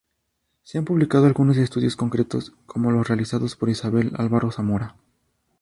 Se han publicado algunos estudios concretos como los realizados por Isabel Álvaro Zamora.